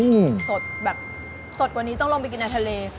สดแบบสดกว่านี้ต้องลงไปกินในทะเล